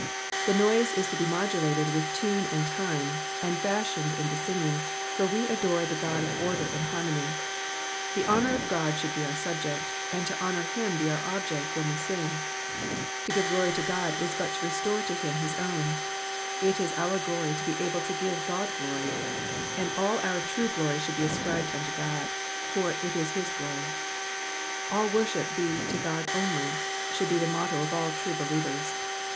''' The noise is to be modulated with tune and time, and fashioned into singing, for we adore the God of order and harmony. The honour of God should be our subject, and to honour him our object when we sing. To give glory to God is but to restore to him his own. Digitized by VjOOQIC PSALM THE SIXTY SIXTH. 183 It is our glory to be able to give God glory ; and all our true glory should bo ascribed unto God, for it is his glory. All worship be to God only," should be the motto of all true believers.